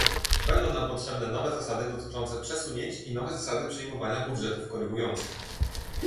Będą nam potrzebne nowe zasady dotyczące przesunięć i nowe zasady przyjmowania budżetów korygujących